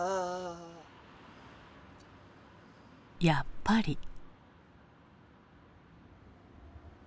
やっぱり。